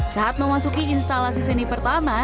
saat memasuki instalasi seni pertama